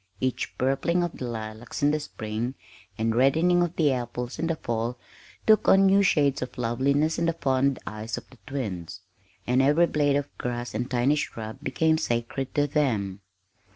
Each purpling of the lilacs in the spring and reddening of the apples in the fall took on new shades of loveliness in the fond eyes of the twins, and every blade of grass and tiny shrub became sacred to them.